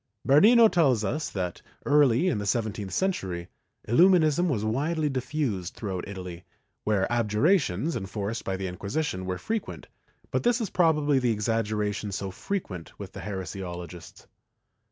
^ Bernino tells us that, early in the seventeenth century, Illu minism was widely diffused throughout Italy, where abjurations enforced by the Inquisition were frequent, but this is probably the exaggeration so frequent with heresiologists.